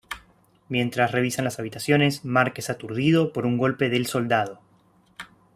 Mientras revisan las habitaciones, Mark es aturdido por un golpe del soldado.